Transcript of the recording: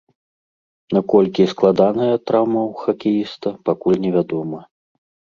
Наколькі складаная траўма ў хакеіста, пакуль невядома.